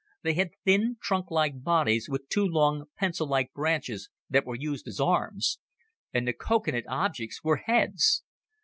They had thin, trunklike bodies with two long, pencil like branches that were used as arms. And the coconut objects were heads!